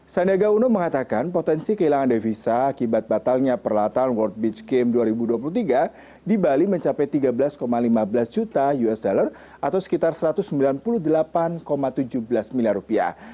sandiaga uno mengatakan potensi kehilangan devisa akibat batalnya peralatan world beach game dua ribu dua puluh tiga di bali mencapai tiga belas lima belas juta usd atau sekitar satu ratus sembilan puluh delapan tujuh belas miliar rupiah